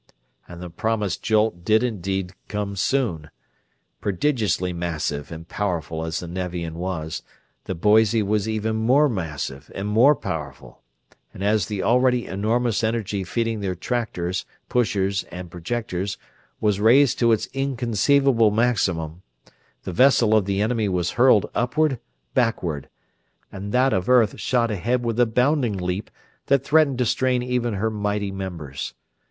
And the promised jolt did indeed come soon. Prodigiously massive and powerful as the Nevian was, the Boise was even more massive and more powerful; and as the already enormous energy feeding the tractors, pushers, and projectors was raised to its inconceivable maximum, the vessel of the enemy was hurled upward, backward; and that of earth shot ahead with a bounding leap that threatened to strain even her mighty members.